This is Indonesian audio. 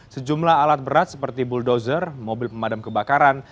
sejumlah alat berat seperti bulldozer mobil pemadam kebakaran